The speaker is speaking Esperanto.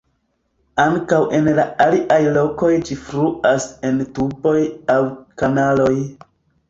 Ankaŭ en la aliaj lokoj ĝi fluas en tuboj aŭ kanaloj.